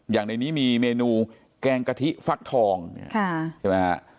อย่างในนี้มีเมนูแกงกะทิฟักทองเนี่ยใช่ไหมฮะ